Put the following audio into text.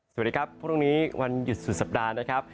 สวัสดีครับพรุ่งนี้วันหยุดสุดสัปดาห์นะครับ